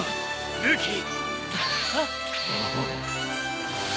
ルーキー！